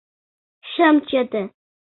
Шым чыте.